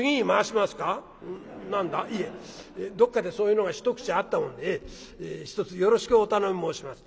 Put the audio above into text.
どっかでそういうのが一口あったもんでひとつよろしくお頼み申します」。